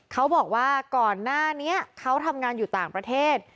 เขาบอกว่าก่อนหน้านี้เขาทำงานอยู่ต่างประเทศ